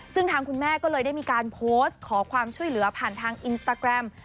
ซึ่งทางคุณแม่ก็เลยได้มีการโพสต์ขอความช่วยเหลือผ่านทางอินสตาแกรม